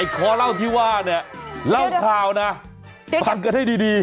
คอเล่าที่ว่าเนี่ยเล่าข่าวนะฟังกันให้ดี